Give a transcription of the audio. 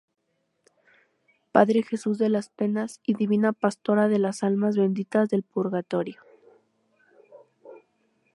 Padre Jesús de las Penas y Divina Pastora de las almas benditas del purgatorio.